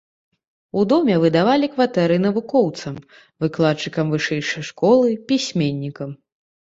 У доме выдавалі кватэры навукоўцам, выкладчыкам вышэйшай школы, пісьменнікам.